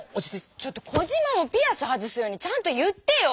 ちょっとコジマもピアス外すようにちゃんと言ってよ！